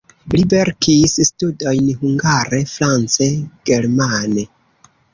Li verkis studojn hungare, france, germane.